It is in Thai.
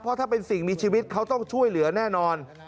เพราะถ้าเป็นสิ่งมีชีวิตเขาต้องช่วยเหลือแน่นอน